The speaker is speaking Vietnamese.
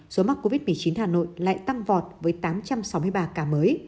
số mắc covid một mươi chín hà nội lại tăng vọt với tám trăm sáu mươi ba ca mới